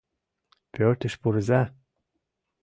Пӧртыш пурыза.